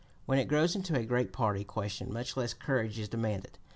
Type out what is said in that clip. When it grows into a great party question much less courage is demanded.